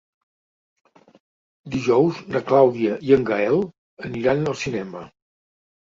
Dijous na Clàudia i en Gaël aniran al cinema.